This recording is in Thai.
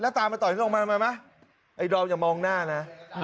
แล้วตามมาต่อยกันลงมาไหนไหมไอ้ดอมอย่ามองหน้านะ